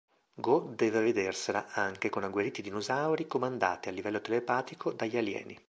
Go deve vedersela anche con agguerriti dinosauri comandati a livello telepatico dagli alieni.